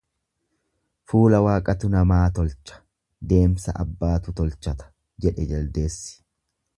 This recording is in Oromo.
Fuula waaqatu namaa tolcha deemsa abbaatu tolchata, jedhe jaldeessi.